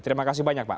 terima kasih banyak pak